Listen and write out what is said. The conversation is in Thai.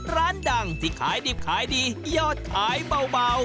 ร้านดังที่ขายดิบขายดียอดขายเบา